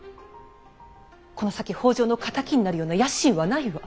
この先北条の敵になるような野心はないわ。